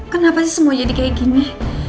kenapa sih semua jadi kayak gini